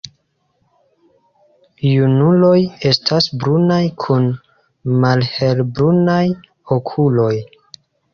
Junuloj estas brunaj kun malhelbrunaj okuloj.